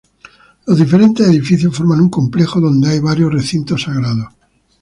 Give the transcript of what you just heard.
Los diferentes edificios forman un complejo donde hay varios recintos sagrados.